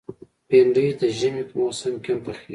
بېنډۍ د ژمي په موسم کې هم پخېږي